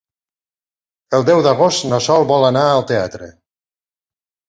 El deu d'agost na Sol vol anar al teatre.